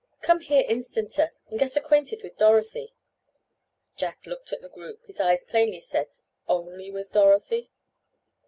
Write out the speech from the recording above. "Come here instanter and get acquainted with Dorothy." Jack looked at the group. His eyes plainly said "only with Dorothy?"